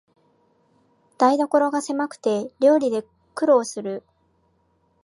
台所がせまくて料理で苦労する